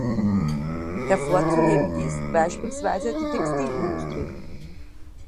Hervorzuheben ist beispielsweise die Textilindustrie.